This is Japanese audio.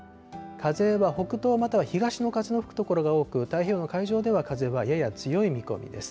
風は北東または東の風の吹く所が多く、太平洋の海上では風はやや強い見込みです。